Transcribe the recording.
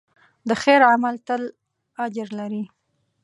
د خیر عمل تل اجر لري.